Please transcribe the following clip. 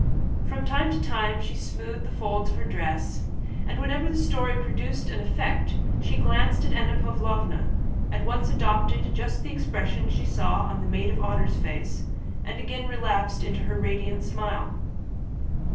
From time to time she smoothed the folds of her dress, and whenever the story produced an effect she glanced at Anna Pávlovna, at once adopted just the expression she saw on the maid of honor's face, and again relapsed into her radiant smile.